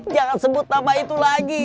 jangan sebut nama itu lagi